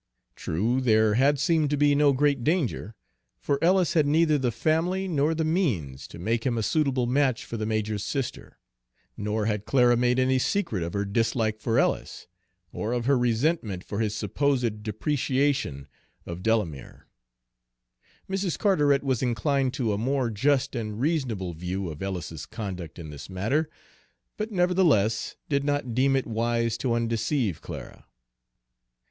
True, there had seemed to be no great danger, for Ellis had neither the family nor the means to make him a suitable match for the major's sister; nor had Clara made any secret of her dislike for Ellis, or of her resentment for his supposed depreciation of Delamere. Mrs. Carteret was inclined to a more just and reasonable view of Ellis's conduct in this matter, but nevertheless did not deem it wise to undeceive Clara.